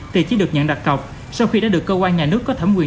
thì chỉ được nhận đặt cọc sau khi đã được cơ quan nhà nước có thẩm quyền